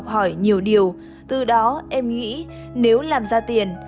em đã học hỏi nhiều điều từ đó em nghĩ nếu làm ra tiền